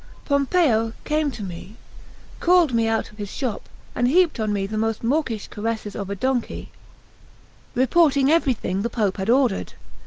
Pompeo came to me, called me outside the shop, and heaped on me the most mawkish caresses of a donkey, reporting everything the Pope had ordered.